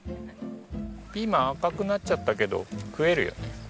ピーマン赤くなっちゃったけど食えるよね？